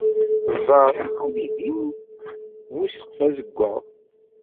Ẓer axxam-ihin bu ssqef azeggaɣ.